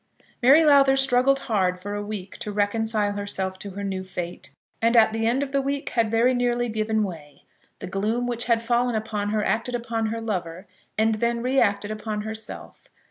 Mary Lowther struggled hard for a week to reconcile herself to her new fate, and at the end of the week had very nearly given way. The gloom which had fallen upon her acted upon her lover and then reacted upon herself.